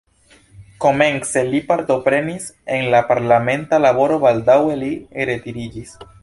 Komence li partoprenis en la parlamenta laboro, baldaŭe li retiriĝis.